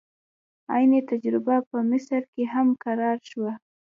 عین تجربه په مصر کې هم تکرار شوه.